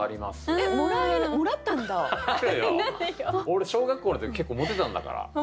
俺小学校の時結構モテたんだから。